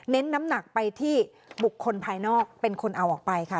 น้ำหนักไปที่บุคคลภายนอกเป็นคนเอาออกไปค่ะ